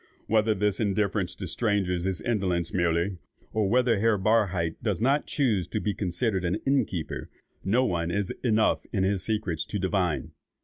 Whether this indifference to strangers is indolence merely, or whether Herr Barhydt does not choose to be considered an inn keeper, no one is enough in his secrets to divine.